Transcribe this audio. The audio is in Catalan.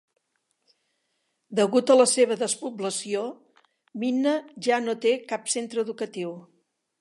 Degut a la seva despoblació, Minna ja no té cap centre educatiu.